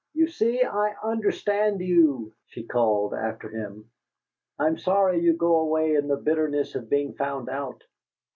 "You see, I understand you," she called after him. "I'm sorry you go away in the bitterness of being found out."